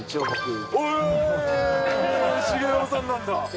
重信さんなんだ。